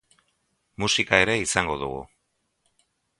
Musika ere izango dugu.